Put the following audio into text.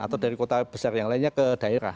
atau dari kota besar yang lainnya ke daerah